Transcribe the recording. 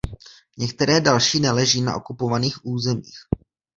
Některé další neleží na okupovaných územích.